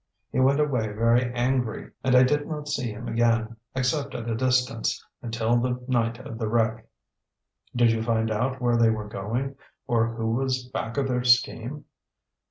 He went away very angry, and I did not see him again, except at a distance, until the night of the wreck." "Did you find out where they were going, or who was back of their scheme?"